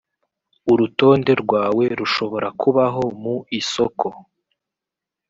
urutonde rwawe rushobora kubaho mu isoko